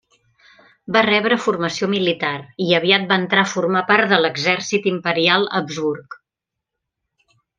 Va rebre formació militar i aviat va entrar a formar part de l'exèrcit imperial Habsburg.